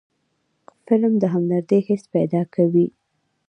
فلم د همدردۍ حس پیدا کوي